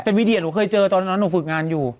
เป็นวีเดียหนูเคยเจอตอนนั้นหนูฝึกงานอยู่